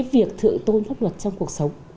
việc thượng tôn pháp luật trong cuộc sống